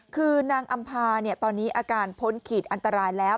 คือนางอำภาตอนนี้อาการพ้นขีดอันตรายแล้ว